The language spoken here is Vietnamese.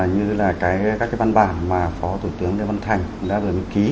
như là các cái văn bản mà phó thủ tướng lê văn thành đã được ký